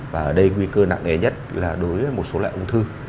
và ở đây nguy cơ nặng nghề nhất là đối với một số loại ung thư